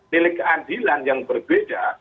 pilih keadilan yang berbeda